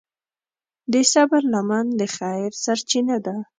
د صبر لمن د خیر سرچینه ده.